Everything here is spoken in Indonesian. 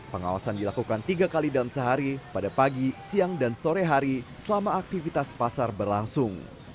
pengawasan dilakukan tiga kali dalam sehari pada pagi siang dan sore hari selama aktivitas pasar berlangsung